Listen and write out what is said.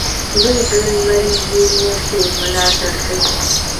دوی د لمریزې انرژۍ ملاتړ کوي.